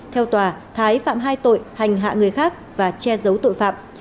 theo tòa thái phạm hai tội hành hạ người khác và che giấu tội phạm